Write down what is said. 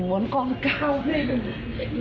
thì muốn con cao thêm